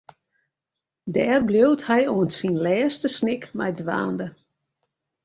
Dêr bliuwt hy oant syn lêste snik mei dwaande.